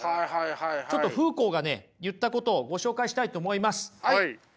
ちょっとフーコーがね言ったことをご紹介したいと思います。